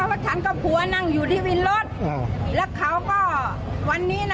เดินมาฉันเอาไปส่งคนที่ไหนทำไมหายไปฉันว่าอย่างนี้